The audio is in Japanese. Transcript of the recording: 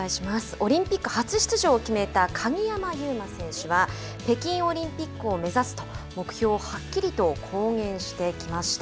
オリンピック初出場を決めた鍵山優真選手は北京オリンピックを目指すと目標をはっきりと公言してきました。